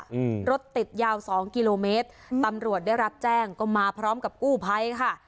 อืมรถติดยาวสองกิโลเมตรตำรวจได้รับแจ้งก็มาพร้อมกับกู้ภัยค่ะ